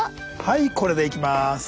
はいこれでいきます。